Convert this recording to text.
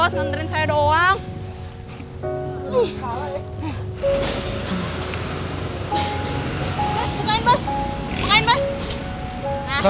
eh enggak enggak enggak enggak enggak